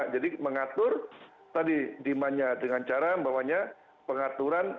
jadi mengatur tadi demand nya dengan cara bahwanya pengaturan